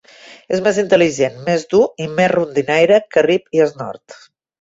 És més intel·ligent, més dur i més rondinaire que Rip i Snort.